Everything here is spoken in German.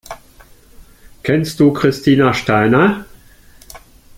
Kennst du Christina Steiner?